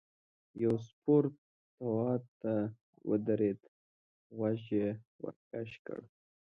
یو سپور تواب ته ودرېد غوږ یې ورکش کړ.